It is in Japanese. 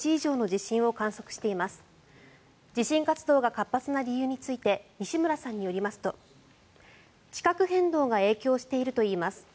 地震活動が活発な理由について西村さんによりますと地殻変動が影響しているといいます。